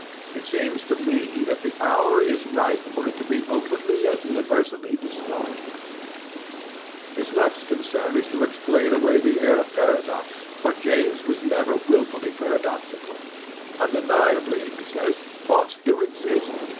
It seems to me that the hour is ripe for it to be openly and universally discarded"(p. 3). His next concern is to explain away the air of paradox, for James was never wilfully paradoxical. "Undeniably," he says, "'thoughts' do exist."